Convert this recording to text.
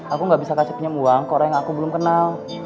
aku gak bisa kacepin uang ke orang yang aku belum kenal